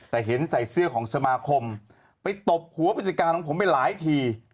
แต่เห็นใส่เสื้อของสมาคมไปตบหัวผู้จัดการของผมไปหลายที